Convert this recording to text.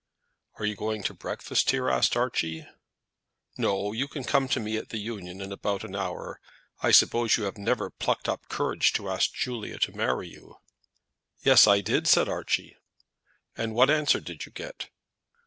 "Are you going to breakfast here?" asked Archie. "No; you can come to me at the Union in about an hour. I suppose you have never plucked up courage to ask Julia to marry you?" "Yes, I did," said Archie. "And what answer did you get?"